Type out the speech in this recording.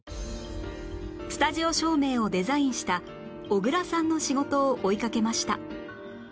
スタジオ照明をデザインした小倉さんの仕事を追いかけました